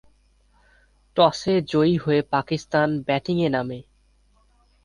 টসে জয়ী হয়ে পাকিস্তান ব্যাটিংয়ে নামে।